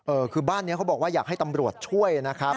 เออคือบ้านนี้เขาบอกว่าอยากให้ตำรวจช่วยนะครับ